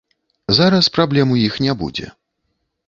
Зараз праблем у іх не будзе.